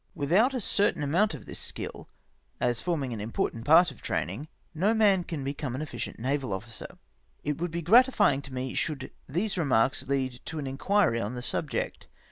Without a certain amount of tliis skill, as forming an important part of training, no man can become an effi cient naval officer. It would be gratifying to me should these remarks lead to inquiry on the subject.